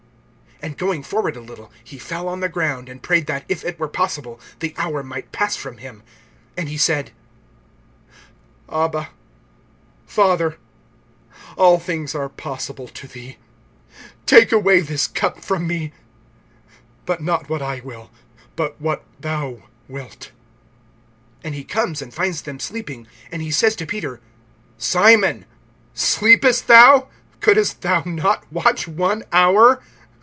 (35)And going forward a little, he fell on the ground, and prayed that, if it were possible, the hour might pass from him. (36)And he said: Abba, Father, all things are possible to thee; take away this cup from me; but not what I will, but what thou wilt. (37)And he comes, and finds them sleeping. And he says to Peter: Simon, sleepest thou? Couldest thou not watch one hour?